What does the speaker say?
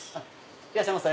いらっしゃいませ。